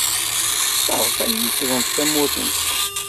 Maɣef ay ukḍent tamurt-nsent?